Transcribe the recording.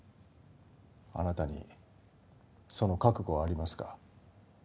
あなたにその覚悟はありますか？